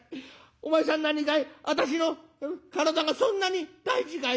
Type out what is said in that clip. お前さん何かい私の体がそんなに大事かい？」。